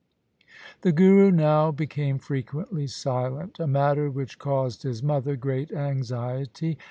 The Guru now became frequently silent, a matter which caused his mother great anxiety.